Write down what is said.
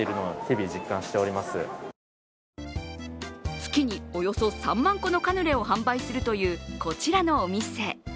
月におよそ３万個のカヌレを販売するというこちらのお店。